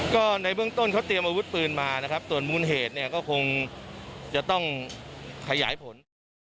ก็ในเบื้องต้นเขาเตรียมอาวุธปืนมานะครับส่วนมูลเหตุเนี่ยก็คงจะต้องขยายผลนะครับ